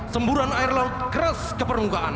semburan air laut keras ke permukaan